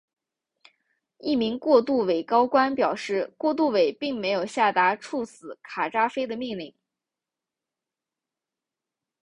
一名过渡委高官表示过渡委并没有下达处死卡扎菲的命令。